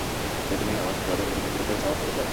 যদি তুমি আমার পরাজয়ের প্রতিশোধ নিতে যেতে চাও তবে যেয়ো না।